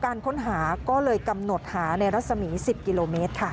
การค้นหาก็เลยกำหนดหาในรัศมี๑๐กิโลเมตรค่ะ